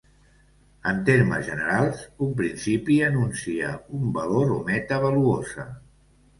En termes generals un principi enuncia un valor o meta valuosa.